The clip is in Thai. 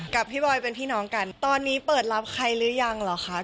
กับพี่บอยเป็นพี่น้องกันตอนนี้เปิดรับใครหรือยังเหรอคะ